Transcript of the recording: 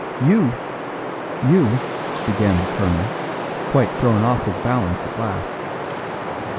"You you " began the colonel, quite thrown off his balance at last.